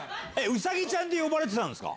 うさぎちゃんって呼ばれてたんですか？